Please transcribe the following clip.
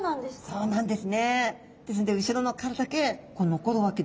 そうなんです。